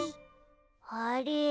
あれ？